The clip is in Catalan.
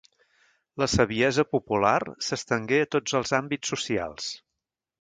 La saviesa popular s'estengué a tots els àmbits socials.